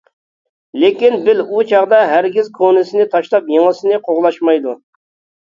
لېكىن بىل ئۇ چاغدا ھەرگىز كونىسىنى تاشلاپ يېڭىسىنى قوغلاشمايدۇ.